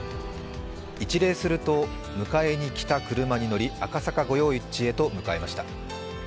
一礼すると、迎えに来た車に乗り赤坂御用地へと向かいました。